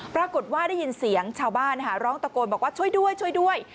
ปรากฏว่าได้ยินเสียงชาวบ้านร้องตะโกนบอกว่าช่วยด้วยช่วยด้วย